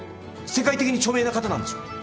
世界的に著名な方なんでしょう？